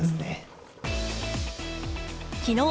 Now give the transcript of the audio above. きのう、